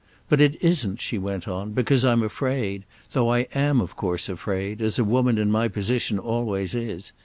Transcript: But it isn't," she went on, "because I'm afraid—though I am of course afraid, as a woman in my position always is.